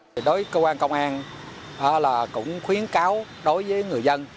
đối với công an công an cũng khuyến cáo đối với người dân